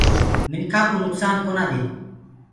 منکآ ڪوُ نُڪسآن ڪونآ دي۔